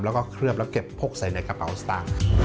แล้วก็เคลือบแล้วเก็บพกใส่ในกระเป๋าสตางค์